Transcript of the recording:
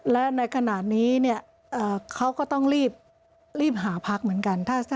และในขณะนี้เขาก็ต้องรีบหาพักเหมือนกัน